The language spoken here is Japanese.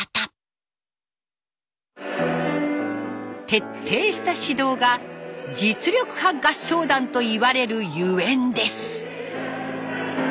徹底した指導が実力派合唱団といわれるゆえんです。